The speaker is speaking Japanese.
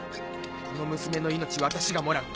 この娘の命私がもらう。